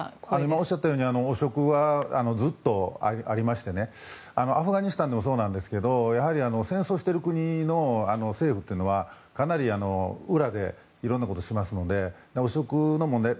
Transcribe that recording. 今おっしゃったように汚職はずっとありましてアフガニスタンでもそうですがやはり戦争してる国の政府というのはかなり裏でいろんなことをしますので汚職の問題